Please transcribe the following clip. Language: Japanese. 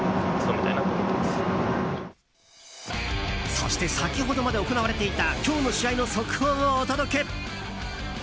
そして先ほどまで行われていた今日の試合の速報をお届け！